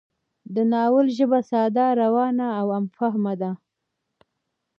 د ناول ژبه ساده، روانه او عام فهمه ده